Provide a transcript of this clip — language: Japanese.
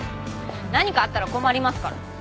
何かあったら困りますから。